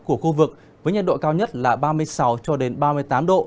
của khu vực với nhà độ cao nhất là ba mươi sáu ba mươi tám độ